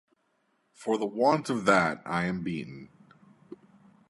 For the want of that I am beaten.